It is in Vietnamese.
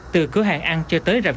từ cửa hàng ăn cho tới rạp